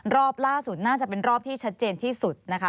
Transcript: รอบล่าสุดน่าจะเป็นรอบที่ชัดเจนที่สุดนะคะ